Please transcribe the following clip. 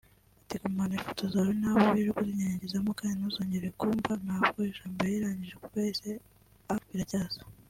Ati gumana ifoto zawe n’abo wirirwa uzinyanyagizamo kandi ntuzongera kumb…Ntabwo ijambo yarirangije kuko yahise a… (Biracyaza)